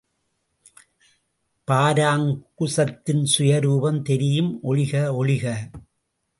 பாராங்குசத்தின் சுயரூபம் தெரியும் ஒழிக ஒழிக.